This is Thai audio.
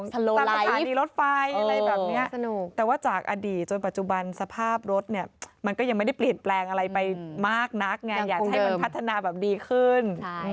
ตามสถานีรถไฟอะไรแบบนี้แต่ว่าจากอดีตจนปัจจุบันสภาพรถเนี่ยมันก็ยังไม่ได้เปลี่ยนแปลงอะไรไปมากนักไงอยากจะให้มันพัฒนาแบบดีขึ้น